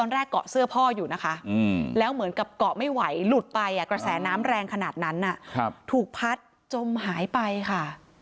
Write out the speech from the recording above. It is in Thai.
แล้วเหมือนกลับเกาะไม่ไหวหลุดไปกระแสน้ำแรงขนาดนั้นถูกพัดจมหายไปค่ะ